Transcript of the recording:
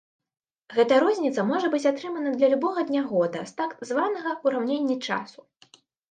Гэтая розніца можа быць атрымана для любога дня года з так званага ўраўненні часу.